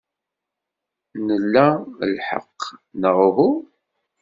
Nla lḥeqq, neɣ uhu?